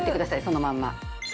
そのまま。